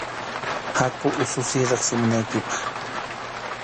Haku ususiy riqsimunaykipaq.